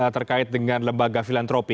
terkait dengan lembaga filantropi